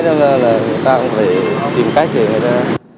thế nên là người ta cũng phải tìm cách để người ta